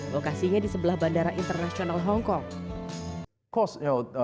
lokasinya di sebelah bandara internasional hongkong